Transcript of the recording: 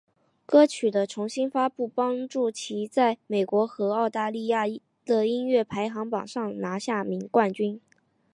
歌曲的重新发布帮助其在美国和澳大利亚的音乐排行榜上拿下冠军。